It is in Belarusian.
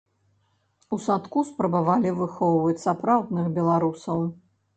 У садку спрабавалі выхоўваць сапраўдных беларусаў.